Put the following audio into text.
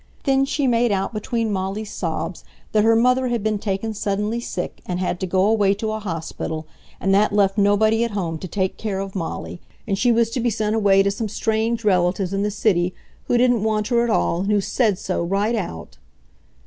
Then she made out between Molly's sobs that her mother had been taken suddenly sick and had to go away to a hospital, and that left nobody at home to take care of Molly, and she was to be sent away to some strange relatives in the city who didn't want her at all and who said so right out....